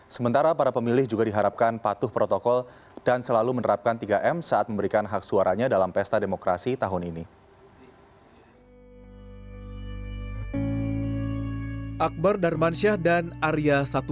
sementara para pemilih juga diharapkan patuh protokol dan selalu menerapkan tiga m saat memberikan hak suaranya dalam pesta demokrasi tahun ini